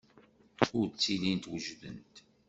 Ur ttilint wejdent.